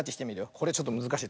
これちょっとむずかしい。